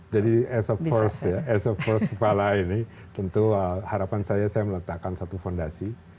jadi as a first kepala ini tentu harapan saya saya meletakkan satu fondasi